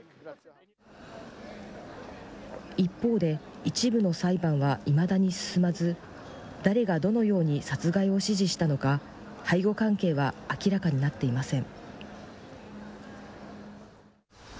一方で、一部の裁判はいまだに進まず、誰がどのように殺害を指示したのか、背後関係は明らかになっていません。